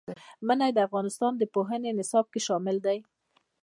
منی د افغانستان د پوهنې نصاب کې شامل دي.